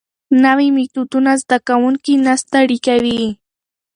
نوي میتودونه زده کوونکي نه ستړي کوي.